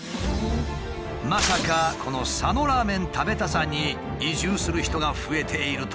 まさかこの佐野ラーメン食べたさに移住する人が増えているというのか？